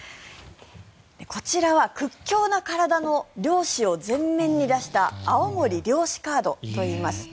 こちらは屈強な体の漁師を前面に出した青森漁師カードといいます。